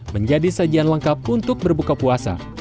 menjadi sajian lengkap untuk berbuka puasa